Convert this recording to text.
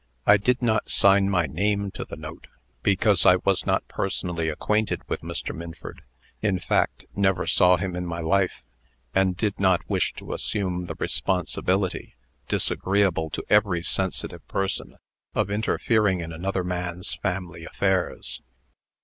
I did not sign my name to the note, because I was not personally acquainted with Mr. Minford in fact, never saw him in my life and did not wish to assume the responsibility, disagreeable to every sensitive person, of interfering in another man's family affairs.